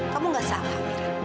kamu gak salah amira